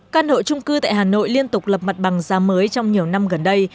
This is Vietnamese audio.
căn hộ trung cư tại hà nội liên tục lập mặt bằng giá mới trong nhiều năm gần đây